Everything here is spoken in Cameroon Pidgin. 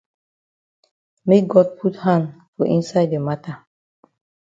Make God put hand for inside the mata.